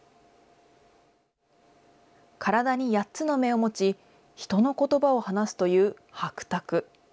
体に８つの目を持ち、人のことばを話すという白澤。